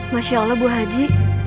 masya allah bu haji